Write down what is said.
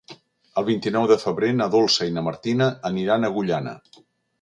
El vint-i-nou de febrer na Dolça i na Martina aniran a Agullana.